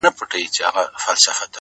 • نه زلمي او پېغلي گډ كوي رقصونه ,